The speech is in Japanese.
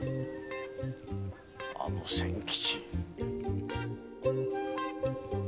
あの千吉！